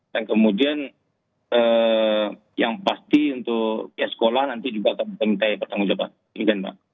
dan kemudian yang pasti untuk pihak sekolah nanti juga akan diminta pertanggung jawaban